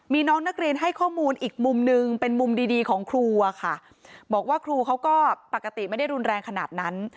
มีน้องนักเรียนให้ข้อมูลอีกมุมนึงเป็นมุมดีดีของครูอะค่ะบอกว่าครูเขาก็ปกติไม่ได้รุนแรงขนาดนั้น